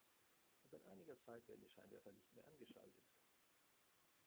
Seit einiger Zeit werden die Scheinwerfer nicht mehr angeschaltet.